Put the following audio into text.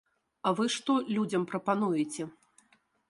А вы што людзям прапануеце?